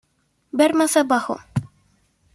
Ver más abajo.